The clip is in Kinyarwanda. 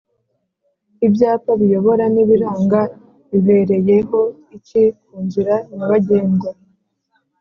Ibyapa biyobora n’ibiranga bibereye ho iki kunzira nyabagendwa